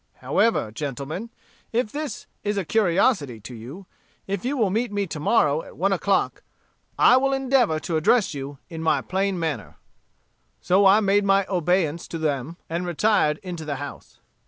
However, gentlemen, if this is a curiosity to you, if you will meet me to morrow, at one o'clock, I will endeavor to address you, in my plain manner.' "So I made my obeisance to them, and retired into the house."